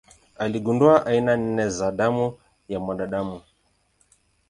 Aligundua aina nne za damu ya mwanadamu.